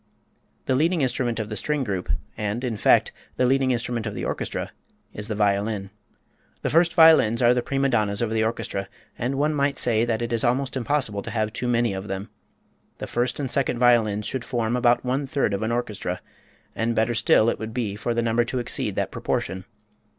The leading instrument of the string group, and in fact the leading instrument of the orchestra, is the violin. The first violins are the prima donnas of the orchestra, and one might say that it is almost impossible to have too many of them. The first and second violins should form about one third of an orchestra, and better still it would be for the number to exceed that proportion.